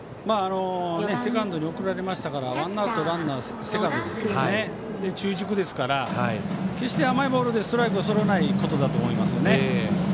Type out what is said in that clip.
セカンドに送られましたからワンアウトランナー、セカンドでそして中軸ですから決して甘いボールでストライクをとらないことだと思いますよね。